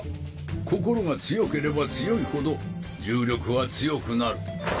心が強ければ強いほど重力は強くなる。